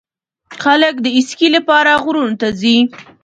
خلک د اسکی لپاره غرونو ته ځي.